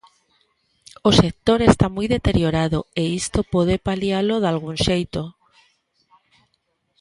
O sector está moi deteriorado e isto pode palialo dalgún xeito.